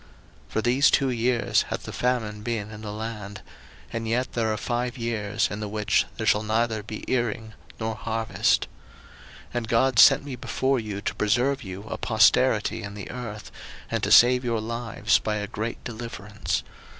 01:045:006 For these two years hath the famine been in the land: and yet there are five years, in the which there shall neither be earing nor harvest. 01:045:007 And God sent me before you to preserve you a posterity in the earth, and to save your lives by a great deliverance.